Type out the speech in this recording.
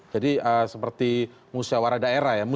jadi seperti musyawara daerah ya